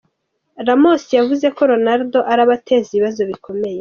Ramos yavuze ko Ronaldo arabateza ibibazo bikomeye.